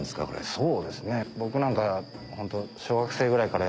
そうですね。